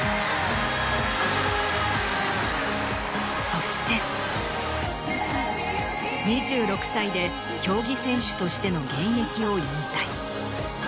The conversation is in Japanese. そして２６歳で競技選手としての現役を引退。